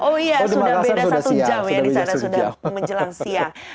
oh iya sudah beda satu jam ya di sana sudah menjelang siang